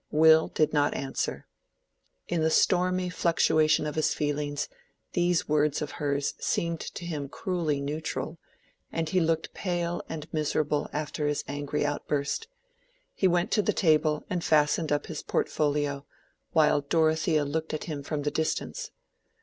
Will did not answer. In the stormy fluctuation of his feelings these words of hers seemed to him cruelly neutral, and he looked pale and miserable after his angry outburst. He went to the table and fastened up his portfolio, while Dorothea looked at him from the distance.